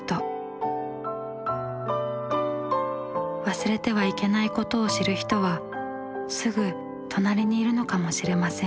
忘れてはいけないことを知る人はすぐ隣にいるのかもしれません。